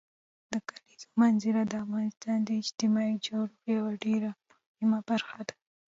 د کلیزو منظره د افغانستان د اجتماعي جوړښت یوه ډېره مهمه برخه ده.